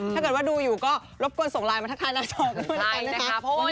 ถ้าเกิดว่าดูอยู่ก็รบกวนส่งไลน์มาทักทายหน้าสองด้วยล่ะครั้ง